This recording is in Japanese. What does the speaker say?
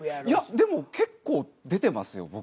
いやでも結構出てますよ